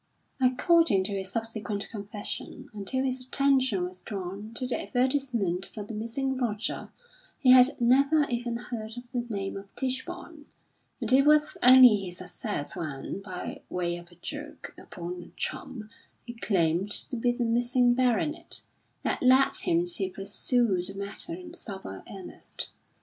According to his subsequent confession, until his attention was drawn to the advertisement for the missing Roger, he had never even heard of the name of Tichborne, and it was only his success when, by way of a joke upon a chum, he claimed to be the missing baronet, that led him to pursue the matter in sober earnest.